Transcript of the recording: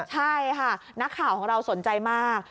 ใช่ค่ะนักข่าวของเราสนใจมาก